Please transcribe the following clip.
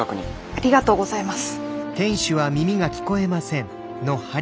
ありがとうございます。